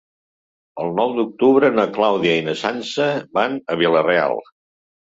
El nou d'octubre na Clàudia i na Sança van a Vila-real.